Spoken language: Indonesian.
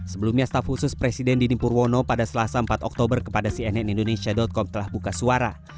sebelumnya staf khusus presiden dini purwono pada selasa empat oktober kepada cnn indonesia com telah buka suara